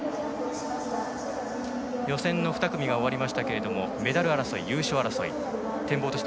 予選の２組が終わりましたがメダル争い、優勝争い